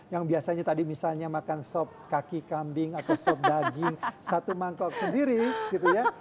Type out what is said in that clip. yang biasanya tadi misalnya makan sop kaki kambing atau sop daging satu mangkok sendiri gitu ya